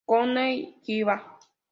Kohei Higa